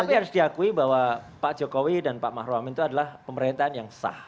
tapi harus diakui bahwa pak jokowi dan pak maruf amin itu adalah pemerintahan yang sah